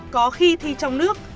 có khi thi trong nước